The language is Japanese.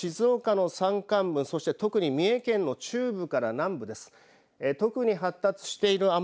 この時間、静岡の山間部そして特に三重県の中部から南部です。